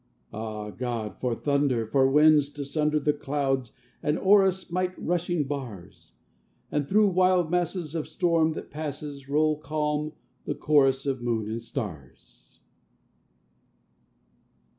Ah, God! for thunder! for winds to sunder The clouds and o'er us smite rushing bars! And through wild masses of storm, that passes, Roll calm the chorus of moon and stars.